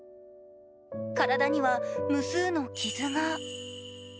体には無数の傷が。